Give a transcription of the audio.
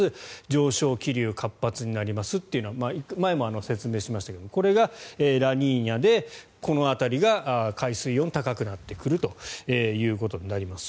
上昇気流が活発になりますというのは前も説明しましたがこれがラニーニャでこの辺りが海水温が高くなってくるということになります。